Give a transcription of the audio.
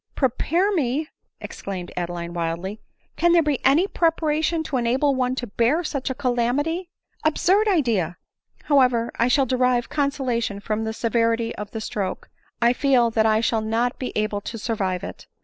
" Prepare me !" exclaimed Adeline wildly. " Can there be any preparation to enable one to bear such a calamity ? Absurd idea ! However, I shall derive conso lation from the severity of the stroke ; I feel that I shall not be able to survive it."